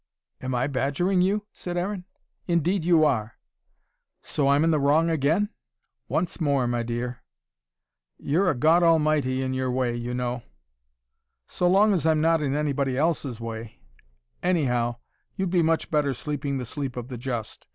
"Am I badgering you?" said Aaron. "Indeed you are." "So I'm in the wrong again?" "Once more, my dear." "You're a God Almighty in your way, you know." "So long as I'm not in anybody else's way Anyhow, you'd be much better sleeping the sleep of the just.